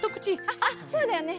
あっそうだよね。